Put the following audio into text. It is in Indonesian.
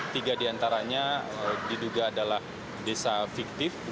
tiga diantaranya diduga adalah desa fiktif